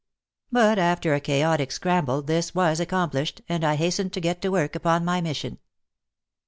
But after a chaotic scramble this was accomplished, and I hastened to get to work upon my mission.